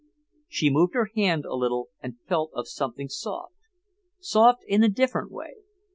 She moved her hand a little and felt of something soft—soft in a different way.